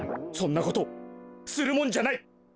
そんなことするもんじゃない！